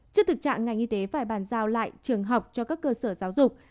trước thực trạng ngành y tế phải bàn giao lại trường học cho các cơ sở giáo dục